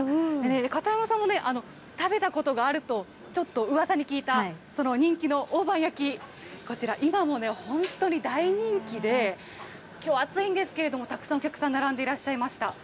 片山さんもね、食べたことがあると、ちょっとうわさに聞いたその人気の大判焼き、こちら、今も本当に大人気で、きょう暑いんですけれども、たくさんお客さん並んでいらっしゃいました。